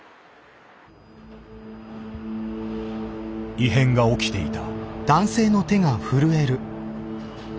異変が起きていた。